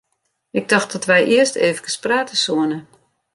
Ik tocht dat wy earst eefkes prate soene.